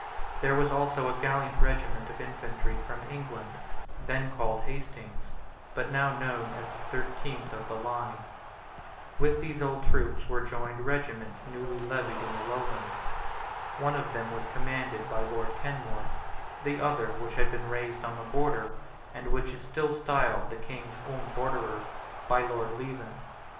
There was also a gallant regiment of infantry from England, then called Hastings's, but now known as the thirteenth of the line. With these old troops were joined two regiments newly levied in the Lowlands. One of them was commanded by Lord Kenmore; the other, which had been raised on the Border, and which is still styled the King's own Borderers, by Lord Leven.